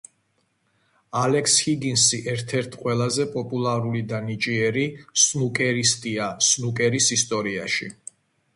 ალექს ჰიგინსი ერთ-ერთ ყველაზე პოპულარული და ნიჭიერი სნუკერისტია სნუკერის ისტორიაში.